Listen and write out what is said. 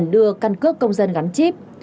chị trang chỉ cần đưa căn cước công dân gắn chip